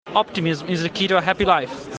Optimism is the key to a happy life.